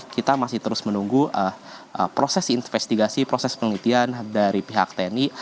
kita masih terus menunggu proses investigasi proses penelitian dari pihak tni